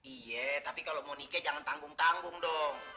iya tapi kalau mau nikah jangan tanggung tanggung dong